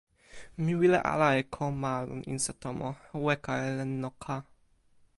mi wile ala e ko ma lon insa tomo. o weka e len noka.